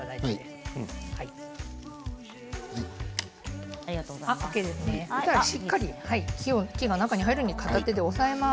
根はしっかり木が中に入るように片手で押さえます。